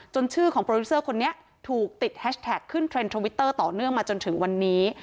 ชื่อของโปรดิวเซอร์คนนี้ถูกติดแฮชแท็กขึ้นเทรนด์ทวิตเตอร์ต่อเนื่องมาจนถึงวันนี้